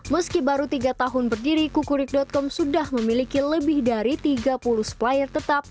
meski baru tiga tahun berdiri kukurik com sudah memiliki lebih dari tiga puluh supplier tetap